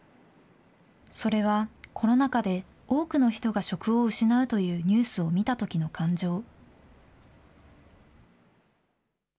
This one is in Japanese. それはコロナ禍で、多くの人が職を失うというニュースを見たときの感情。